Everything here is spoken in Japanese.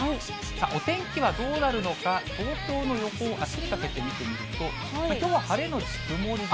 お天気はどうなるのか、東京の予報、あすにかけて見てみると、きょうは晴れ後曇りで。